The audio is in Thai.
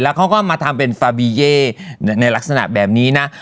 เขาก็มาทำเป็นฟาบีเย่ในลักษณะแบบนี้นะ